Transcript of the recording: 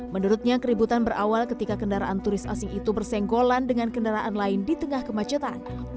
menurutnya keributan berawal ketika kendaraan turis asing itu bersenggolan dengan kendaraan lain di tengah kemacetan